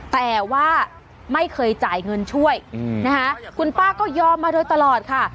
แต่ว่าไม่เคยจ่ายเงินช่วยนะคะคุณป้าก็ยอมมาโดยตลอดค่ะ